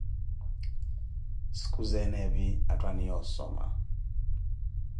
Sikhuzeene epi atthu aniiya osoma.